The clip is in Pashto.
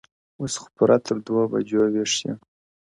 اوس خو پوره تر دوو بـجــو ويــښ يـــم.!